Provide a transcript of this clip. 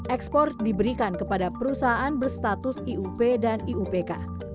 ekspor diberikan kepada perusahaan berstatus iup dan iupk